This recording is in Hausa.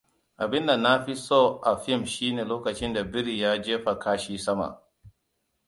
Abinda na fi so a fim shine lokacin da biri ya jefa kashi sama.